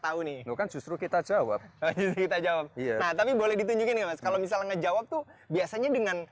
tahu nih bukan justru kita jawab kita jawab tapi boleh ditunjukin kalau misalnya jawab tuh biasanya